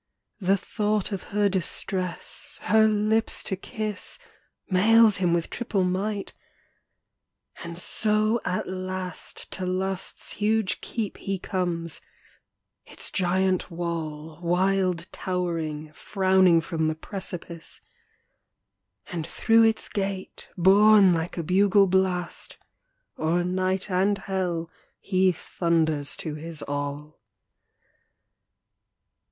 The thought of her distress, her lips to kiss, Mails him with triple might; and so at last To Lust's huge keep he comes; its giant wall, Wild towering, frowning from the precipice; And through its gate, borne like a bugle blast, O'er night and hell he thunders to his all.